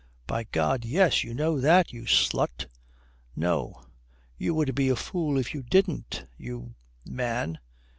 "By God, yes. You know that, you slut." "No. You would be a fool if you didn't, you man."